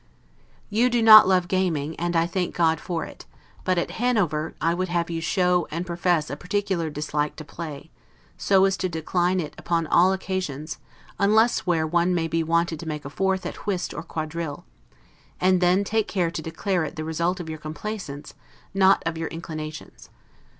You do not love gaming, and I thank God for it; but at Hanover I would have you show, and profess a particular dislike to play, so as to decline it upon all occasions, unless where one may be wanted to make a fourth at whist or quadrille; and then take care to declare it the result of your complaisance, not of your inclinations.